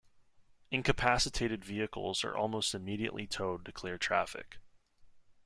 Incapacitated vehicles are almost immediately towed to clear traffic.